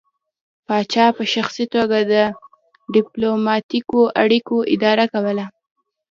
پاچا په شخصي توګه د ډیپلوماتیکو اړیکو اداره کوله